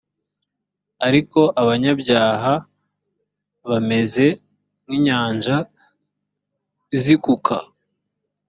ariko abanyabyaha bameze nk inyanja izikuka